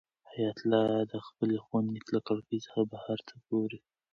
حیات الله د خپلې خونې له کړکۍ څخه بهر ته ګوري.